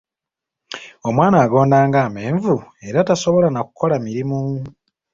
Omwana agonda ng'amenvu era tasobola na kukola mirimu.